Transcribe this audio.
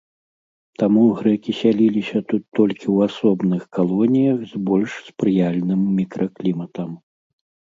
Таму грэкі сяліліся тут толькі ў асобных калоніях з больш спрыяльным мікракліматам.